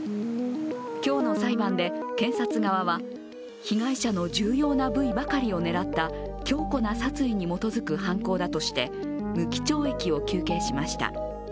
今日の裁判で検察側は、被害者の重要な部位ばかりを狙った強固な殺意に基づく犯行だとして無期懲役を求刑しました。